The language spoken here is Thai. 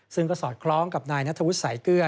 ซึ่งก็สอดคล้องกับนายนัทธวุฒิสายเกลือ